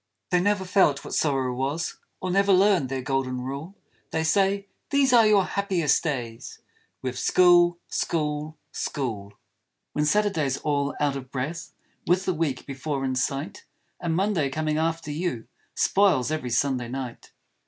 They never felt what Sorrow was; Or never learned their Golden Rule; They say, These are your happiest days, With School, School, School! When Saturday's all out of breath With all the week before in sight; And Monday coming after you Spoils every Sunday night!